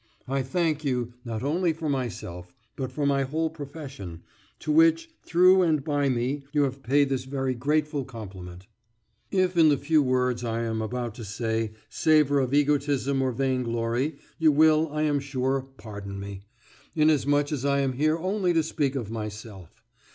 I thank you, not only for myself, but for my whole profession, to which, through and by me, you have paid this very grateful compliment. If the few words I am about to say savour of egotism or vainglory, you will, I am sure, pardon me, inasmuch as I am here only to speak of myself.